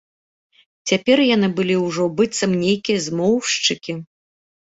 Цяпер яны былі ўжо быццам нейкія змоўшчыкі.